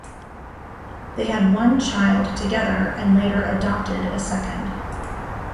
They had one child together and later adopted a second.